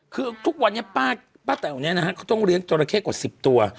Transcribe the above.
คือทุกวันนี้ป้าแต๋วเนี่ยนะฮะเขาต้องเลี้ยงจราเข้กว่า๑๐ตัว